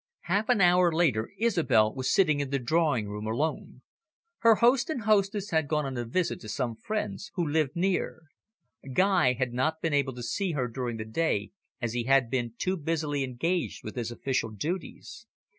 Half an hour later, Isobel was sitting in the drawing room alone. Her host and hostess had gone on a visit to some friends who lived near. Guy had not been able to see her during the day, as he had been too busily engaged with his official duties.